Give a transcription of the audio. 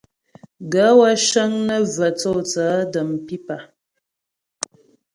Gaə̌ wə́ cə́ŋ nə́ və tsô tsaə̌ də̀m pípà.